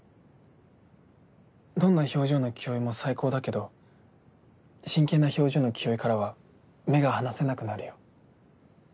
どんな表情の清居も最高だけど真剣な表情の清居からは目が離せなくなるよ。